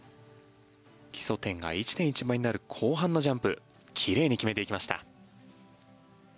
基礎点が１．１倍になる後半のジャンプ奇麗に決めていきました。